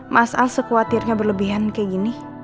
mas al sekwatirnya berlebihan kayak gini